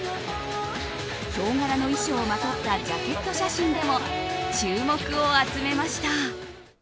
ヒョウ柄の衣装をまとったジャケット写真でも注目を集めました。